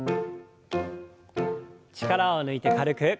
力を抜いて軽く。